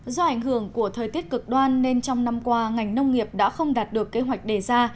do ảnh hưởng của thời tiết cực đoan nên trong năm qua ngành nông nghiệp đã không đạt được kế hoạch đề ra